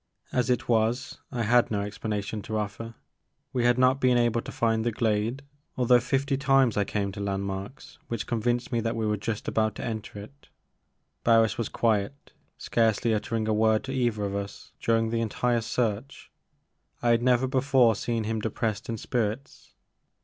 As it was, I had no explanation to ofFer. We had not been able to find the glade although fifty times I came to landmarks which convinced me that we were just about to enter it, Barris was quiet, scarcely uttering a word to either of us dur ing the entire search. I had never before seen him depressed in spirits.